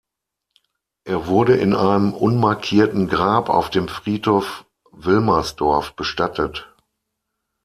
Er wurde in einem unmarkierten Grab auf dem Friedhof Wilmersdorf bestattet.